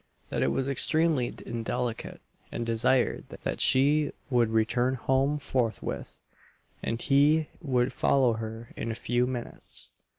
that it was extremely indelicate, and desired that she would return home forthwith, and he would follow her in a few minutes.